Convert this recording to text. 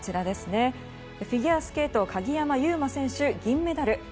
フィギュアスケート鍵山優真選手、銀メダル。